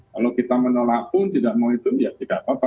kalau kita menolak pun tidak mau hitung ya tidak apa apa